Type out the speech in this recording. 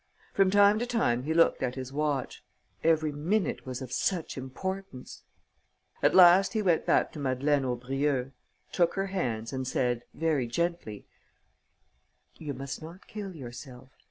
From time to time he looked at his watch. Every minute was of such importance! At last he went back to Madeleine Aubrieux, took her hands and said, very gently: "You must not kill yourself.